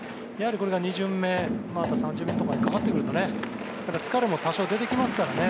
これが２巡目３巡目となってくると疲れも多少出てきますからね。